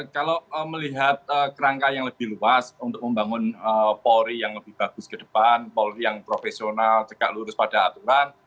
kalau melihat kerangka yang lebih luas untuk membangun polri yang lebih bagus ke depan polri yang profesional cegak lurus pada aturan